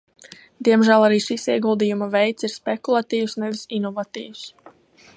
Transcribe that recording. Diemžēl arī šis ieguldījuma veids ir spekulatīvs, nevis inovatīvs.